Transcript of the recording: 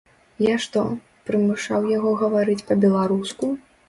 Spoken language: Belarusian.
Я што, прымушаў яго гаварыць па-беларуску?